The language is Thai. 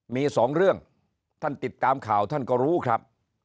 มีสองเรื่องท่านติดตามข่าวท่านก็รู้ครับ